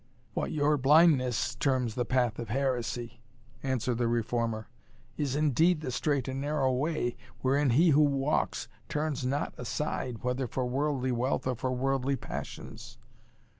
"What your blindness terms the path of heresy," answered the reformer, "is indeed the straight and narrow way, wherein he who walks turns not aside, whether for worldly wealth or for worldly passions.